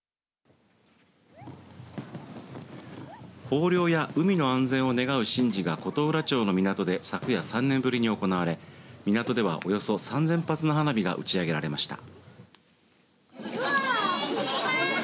豊漁や海の安全を願う神事が琴浦町の港で昨夜３年ぶりに行われ港では、およそ３０００発の花火が打ち上げられました。